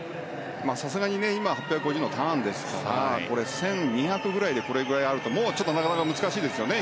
さすがに今８５０ｍのターンですから１２００ｍぐらいでこの差があると難しいですよね。